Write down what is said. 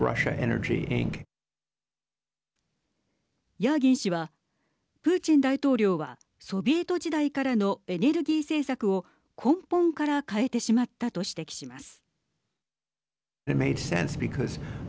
ヤーギン氏はプーチン大統領はソビエト時代からのエネルギー政策を根本から変えてしまったと指摘します。